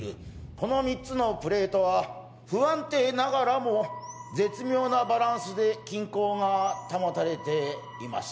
この３つのプレートは不安定ながらも絶妙なバランスで均衡が保たれています